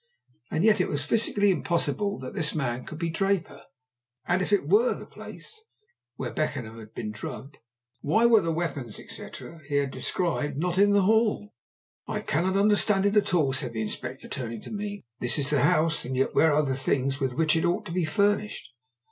And yet it was physically impossible that this man could be Draper; and, if it were the place where Beckenham had been drugged, why were the weapons, etc., he had described not in the hall? "I cannot understand it at all," said the Inspector, turning to me. "This is the house, and yet where are the things with which it ought to be furnished?"